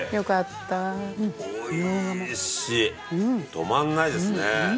止まんないですね。